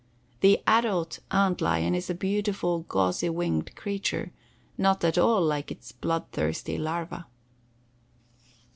The adult ant lion is a beautiful, gauzy winged creature, not at all like its blood thirsty larva.